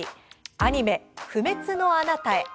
アニメ「不滅のあなたへ」。